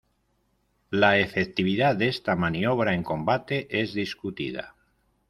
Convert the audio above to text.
La efectividad de esta maniobra en combate es discutida.